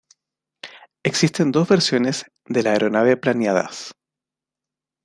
Existen dos versiones de la aeronave planeadas.